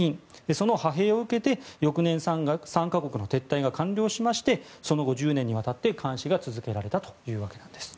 その派兵を受けて翌年３か国の撤退が完了しましてその後、１０年にわたって監視が続けられたというわけです。